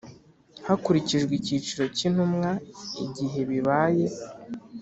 hakurikijwe icyiciro cy Intumwa igihe bibaye